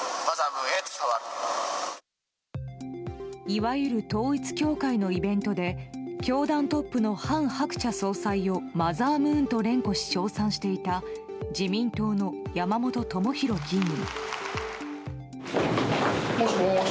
いわゆる統一教会のイベントで教団トップの韓鶴子総裁をマザームーンと連呼し賞賛していた自民党の山本朋広議員。